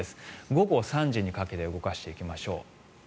午後３時にかけて動かしていきましょう。